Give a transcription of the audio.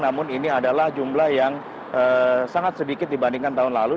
namun ini adalah jumlah yang sangat sedikit dibandingkan tahun lalu